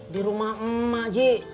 di rumah emak ji